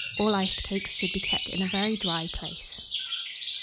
All iced cakes should be kept in a very dry place.